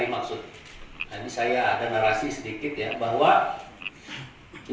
nah ini saya ada narasi sedikit ya bahwa